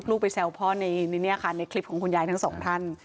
ลูกไปแซวพ่อในคลิปของคุณยายทั้งสองท่าน